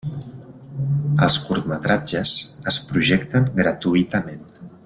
Els curtmetratges es projecten gratuïtament.